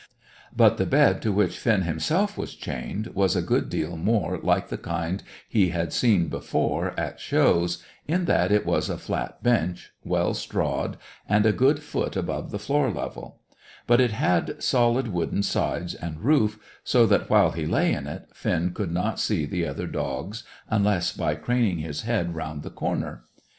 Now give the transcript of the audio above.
But the bed to which Finn himself was chained was a good deal more like the kind he had seen before at shows, in that it was a flat bench, well strawed, and a good foot above the floor level; but it had solid wooden sides and roof, so that, while he lay on it, Finn could not see the other dogs, unless by craning his head round the corner.